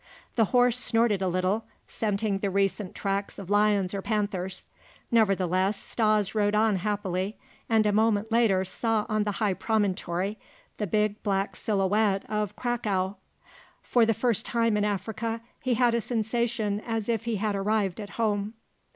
The horse snorted a little, scenting the recent tracks of lions or panthers; nevertheless, Stas rode on happily, and a moment later saw on the high promontory the big black silhouette of "Cracow." For the first time in Africa he had a sensation as if he had arrived at home.